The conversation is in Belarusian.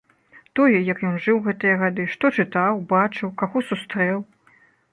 Тое, як ён жыў гэтыя гады, што чытаў, бачыў, каго сустрэў.